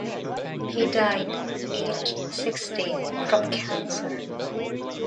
He died, aged sixty, from cancer.